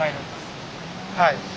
はい。